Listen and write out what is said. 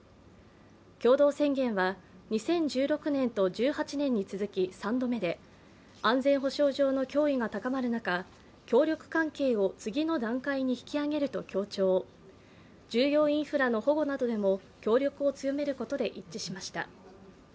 共同宣言は２０１６年と１８年に続き３度目で安全保障上の脅威が高まる中、協力関係を次の関係に引き上げると強調、重要インフラの保護などでも協力を強めることで一致しました。